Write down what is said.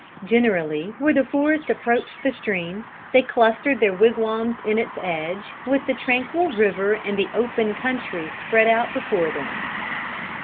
Generally where the forest approached the stream, they clustered their wigwams in its edge, with the tranquil river and the open country spread out before them.